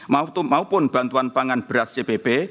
maupun bantuan pangan beras cpb